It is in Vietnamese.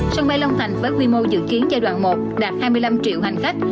sân bay long thành với quy mô dự kiến giai đoạn một đạt hai mươi năm triệu hành khách